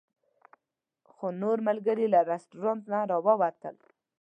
خو نور ملګري له رسټورانټ نه راووتل.